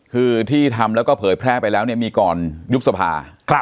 คือที่ทำแล้วก็เผยแพร่ไปแล้วเนี่ยมีก่อนยุบสภา